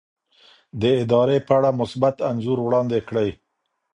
د ادارې په اړه مثبت انځور وړاندې کړئ.